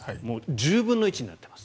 １０分の１になっています。